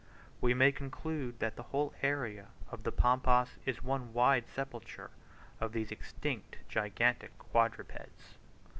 We may conclude that the whole area of the Pampas is one wide sepulchre of these extinct gigantic quadrupeds.